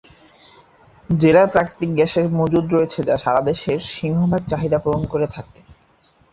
জেলার প্রাকৃতিক গ্যাসের মজুদ রয়েছে যা সারা দেশের সিংহভাগ চাহিদা পূরণ করে থাকে।